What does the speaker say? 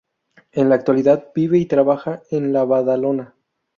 En la actualidad vive y trabaja en Badalona.